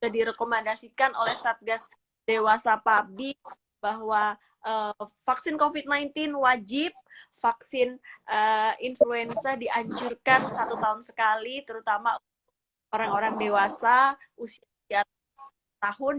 direkomendasikan oleh satgas dewasa pabrik bahwa vaksin covid sembilan belas wajib vaksin influenza dianjurkan satu tahun sekali terutama untuk orang orang dewasa usia tahun